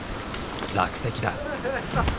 落石だ。